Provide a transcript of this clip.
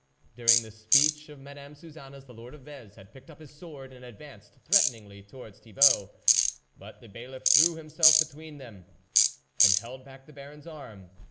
During this speech of Madame Suzanne's the lord of Vez had picked up his sword and advanced threateningly towards Thibault. But the Bailiff threw himself between them, and held back the Baron's arm.